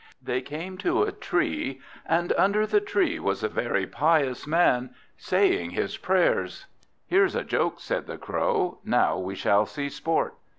They came to a tree, and under the tree was a very pious man, saying his prayers. "Here's a joke," said the Crow. "Now we shall see sport."